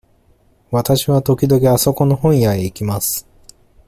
わたしは時々あそこの本屋へ行きます。